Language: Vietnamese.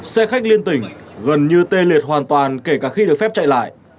xe khách liên tỉnh gần như tê liệt hoàn toàn kể cả khi được phép chạy lại